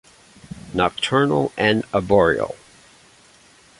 Nocturnal and arboreal.